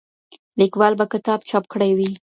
لیکوال به کتاب چاپ کړی وي.